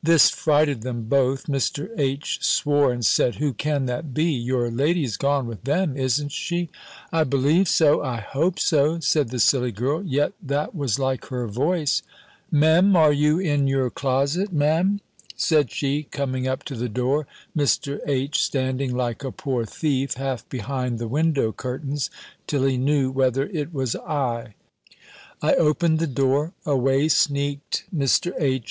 This frighted them both: Mr. H. swore, and said, "Who can that be? Your lady's gone with them, isn't she?" "I believe so! I hope so!" said the silly girl "yet that was like her voice! Me'm, are you in your closet, Me'm?" said she, coming up to the door; Mr. H. standing like a poor thief, half behind the window curtains, till he knew whether it was I. I opened the door: away sneaked Mr. H.